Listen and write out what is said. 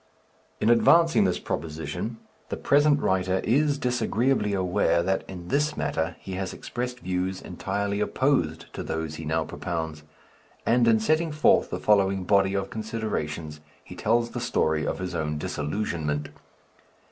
In advancing this proposition, the present writer is disagreeably aware that in this matter he has expressed views entirely opposed to those he now propounds; and in setting forth the following body of considerations he tells the story of his own disillusionment.